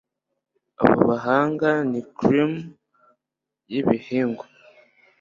Abo bahanga ni cream yibihingwa